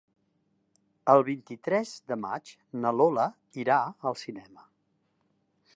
El vint-i-tres de maig na Lola irà al cinema.